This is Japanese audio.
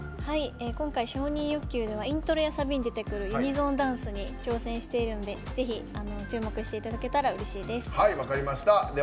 今回「承認欲求」ではイントロやサビで出てくる高速のユニゾンダンスに挑戦しているのでぜひ、注目していただけたらうれしいです。